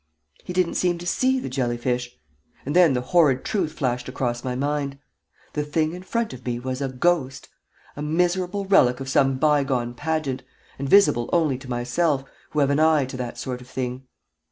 He didn't seem to see the jelly fish. And then the horrid truth flashed across my mind. The thing in front of me was a ghost a miserable relic of some bygone pageant, and visible only to myself, who have an eye to that sort of thing.